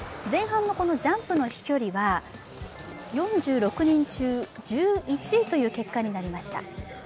前半のこのジャンプの飛距離は４６人中、１１位という結果になりました。